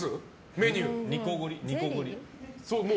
メニュー。